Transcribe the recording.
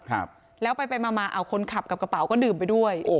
ครับแล้วไปไปมามาเอาคนขับกับกระเป๋าก็ดื่มไปด้วยโอ้